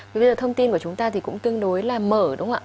vì thông tin của chúng ta thì cũng tương đối là mở đúng không ạ